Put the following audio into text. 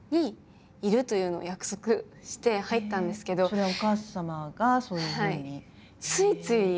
それはお母様がそういうふうに。